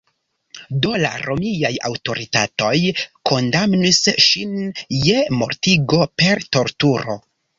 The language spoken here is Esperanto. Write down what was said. Do la romiaj aŭtoritatoj kondamnis ŝin je mortigo per torturo.